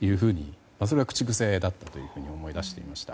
それが口癖だったというのを思い出していました。